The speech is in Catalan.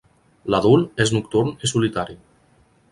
L'adult és nocturn i solitari.